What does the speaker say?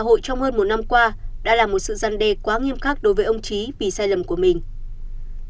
hội trong hơn một năm qua đã là một sự gian đe quá nghiêm khắc đối với ông trí vì sai lầm của mình